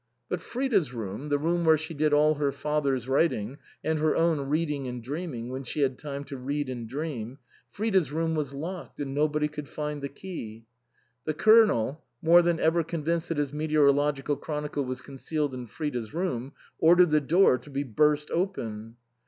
But Frida's room, the room where she did all her father's writing, and her own reading and dreaming when she had time to read and dream, Frida's room was locked, and nobody could find the key. The Colonel, more than ever convinced that his meteorological chronicle was concealed in Frida's room, ordered the door to be burst open.